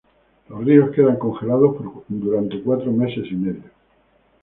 Los ríos quedan congelados por cuatro meses y medio.